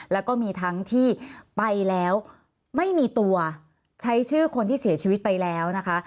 แล้วก็มีทั้งที่ไปแล้วไม่มีตัวใช้ชื่อคนที่เสียชีวิตไปแล้วนะคะ